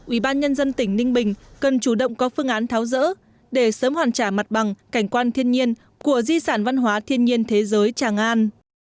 ủy ban nhân dân tỉnh ninh bình cần chủ động có phương án tháo rỡ để sớm hoàn trả mặt bằng cảnh quan thiên nhiên của di sản văn hóa thiên nhiên thế giới tràng an